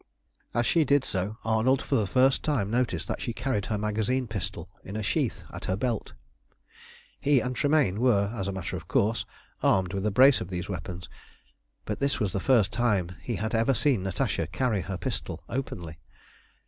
As she did so, Arnold for the first time noticed that she carried her magazine pistol in a sheath at her belt. He and Tremayne were, as a matter of course, armed with a brace of these weapons, but this was the first time that he had ever seen Natasha carry her pistol openly.